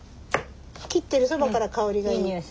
切ってるそばから香りがいい。